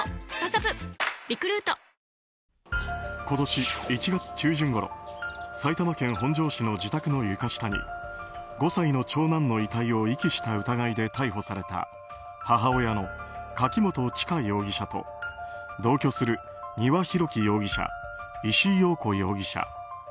今年１月中旬ごろ埼玉県本庄市の自宅の床下に５歳の長男の遺体を遺棄した疑いで逮捕された母親の柿本知香容疑者と同居する丹羽洋樹容疑者石井陽子容疑者。